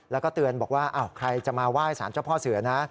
แล้วก็เตือนบอกว่าใครจะมาไหว้สารเจ้าพ่อเสือนะ